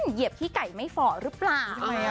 เหยียบขี้ไก่ไม่ฝ่อหรือเปล่า